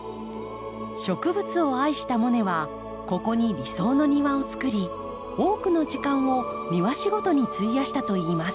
植物を愛したモネはここに理想の庭をつくり多くの時間を庭仕事に費やしたといいます。